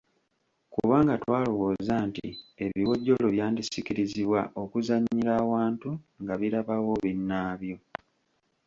Kubanga twalowooza nti ebiwojjolo byandisikirizibwa okuzannyira awantu nga birabawo binnaabyo.